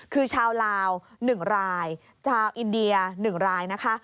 คือชาวลาว๑รายชาวอินเดีย๑รายนะคะ